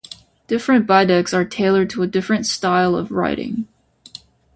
Different bidecks are tailored to a different style of riding.